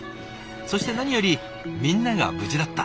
そして何よりみんなが無事だった。